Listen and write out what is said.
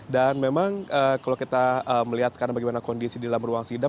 dan memang kalau kita melihat sekarang bagaimana kondisi dalam ruang sidang